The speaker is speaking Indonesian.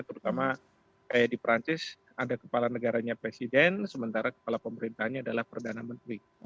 terutama di perancis ada kepala negaranya presiden sementara kepala pemerintahnya adalah perdana menteri